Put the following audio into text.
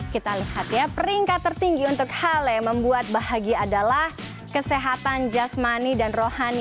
kita lihat ya peringkat tertinggi untuk hal yang membuat bahagia adalah kesehatan jasmani dan rohani